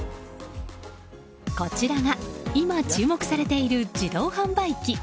こちらが、今注目されている自動販売機。